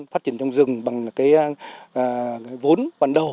phát triển trồng rừng bằng vốn ban đầu